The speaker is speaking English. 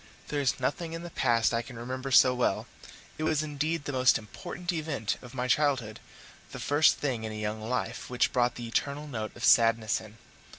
There is nothing in the past I can remember so well: it was indeed the most important event of my childhood the first thing in a young life which brought the eternal note of sadness in.